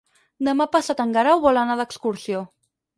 Demà passat en Guerau vol anar d'excursió.